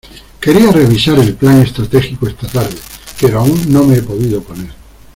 Quería revisar el plan estratégico esta tarde, pero aún no me he podido poner.